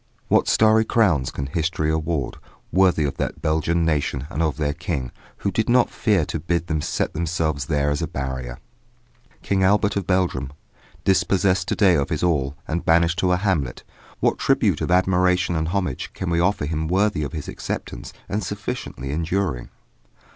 What starry crowns can history award worthy of that Belgian nation and of their King, who did not fear to bid them set themselves there as a barrier. King Albert of Belgium, dispossessed to day of his all and banished to a hamlet what tribute of admiration and homage can we offer him worthy of his acceptance and sufficiently enduring?